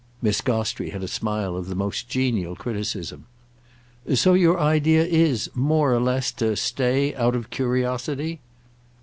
Miss Gostrey had a smile of the most genial criticism. "So your idea is—more or less—to stay out of curiosity?"